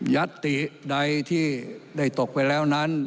ัตติใดที่ได้ตกไปแล้วนั้น